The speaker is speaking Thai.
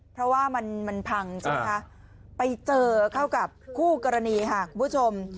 เพราะว่ามันพังใช่ไหมคะไปเจอเข้ากับคู่กรณีค่ะคุณผู้ชม